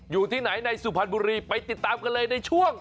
อยู่ที่ไหนในสุพรรณบุรีไปติดตามกันเลยในช่วง